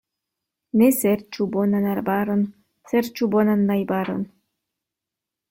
Ne serĉu bonan arbaron, serĉu bonan najbaron.